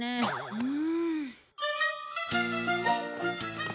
うん！